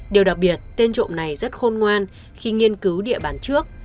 điều đặc biệt tên trộm này rất khôn ngoan khi nghiên cứu địa bàn trước